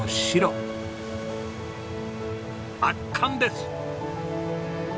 圧巻です！